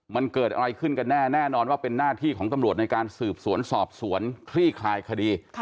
มันเกิดอะไรขึ้นกันแน่แน่นอนว่าเป็นหน้าที่ของตำรวจในการสืบสวนสอบสวนคลี่คลายคดี